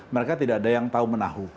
mereka tidak ada yang tahu menahu